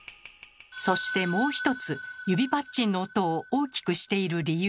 そしてもうひとつ指パッチンの音を大きくしている理由が。